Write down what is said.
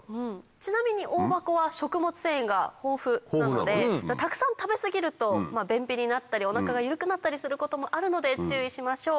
ちなみにオオバコは食物繊維が豊富なのでたくさん食べ過ぎると便秘になったりお腹が緩くなったりすることもあるので注意しましょう。